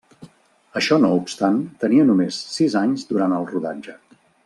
Això no obstant, tenia només sis anys durant el rodatge.